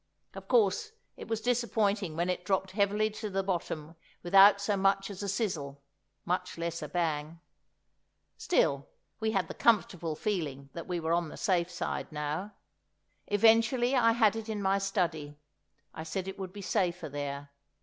Of course it was disappointing when it dropped heavily to the bottom without so much as a sizzle, much less a bang. Still—we had the comfortable feeling that we were on the safe side now. Eventually I had it in my study. I said it would be safer there.